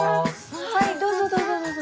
はいどうぞどうぞどうぞ。